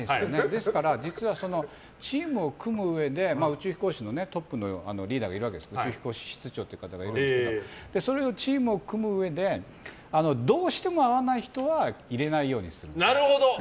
ですからチームを組むうえで宇宙飛行士のトップのリーダーが宇宙飛行士室長という方がいるわけですけどチームを組むうえでどうしても合わない人は入れないようにする。